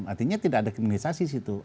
artinya tidak ada kriminalisasi di situ